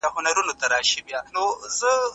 که انلاین مواد وي، زده کوونکي ژر څېړنه کوي.